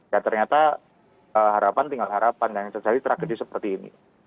ya ternyata harapan tinggal harapan dan terjadi tragedi seperti ini